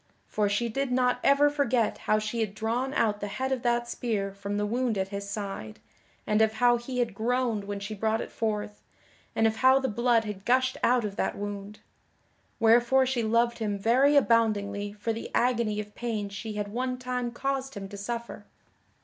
For she did not ever forget how she had drawn out the head of that spear from the wound at his side, and of how he had groaned when she brought it forth, and of how the blood had gushed out of that wound. Wherefore she loved him very aboundingly for the agony of pain she had one time caused him to suffer.